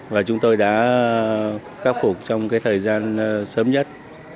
và chúng tôi đã khắc phục trong thời gian sớm nhất